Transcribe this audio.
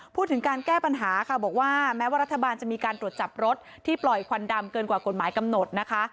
พูดถึงการแก้ปัญหาค่ะบอกว่าแม้ว่ารัฐบาลจะมีการตรวจจับรถที่ปล่อยควันดำเกินกว่ากฎหมายกำหนดนะคะ